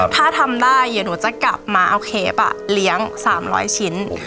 ถ้าทำได้อย่างหนูจะกลับมาเอาเคพอ่ะเลี้ยงสามร้อยชิ้นอืม